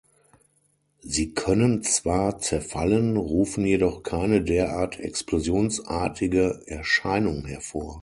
Sie können zwar zerfallen, rufen jedoch keine derart explosionsartige Erscheinung hervor.